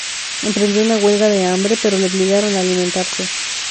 Emprendió una huelga de hambre, pero le obligaron a alimentarse.